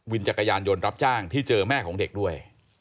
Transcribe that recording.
จักรยานยนต์รับจ้างที่เจอแม่ของเด็กด้วย